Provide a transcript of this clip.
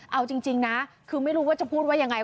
เอาจริงนะคือไม่รู้ว่าจะพูดว่ายังไง